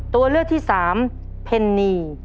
ตัวเลือกที่สามเพนนี